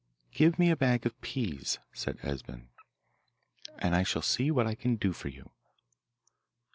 'Give me a bag of peas' said Esben, 'and I shall see what I can do for you.